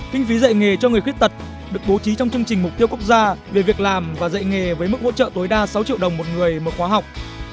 kinh phí dạy nghề cho người khuyết tật được bố trí trong chương trình mục tiêu quốc gia về việc làm và dạy nghề với mức hỗ trợ tối đa sáu triệu đồng một người mở khóa học